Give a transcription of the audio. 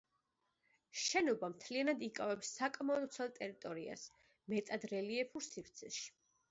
შენობა მთლიანად იკავებს საკმაოდ ვრცელ ტერიტორიას, მეტად რელიეფურ სივრცეში.